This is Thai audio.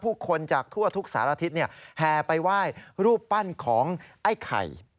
ผู้คนจากทั่วทุกสารทิศแห่ไปไหว้รูปปั้นของไอ้ไข่